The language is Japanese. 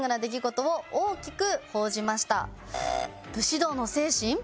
「武士道の精神？」。